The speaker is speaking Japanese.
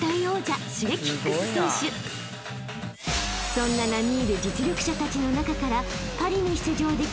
［そんな並み居る実力者たちの中から］